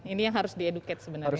ini yang harus diedukate sebenarnya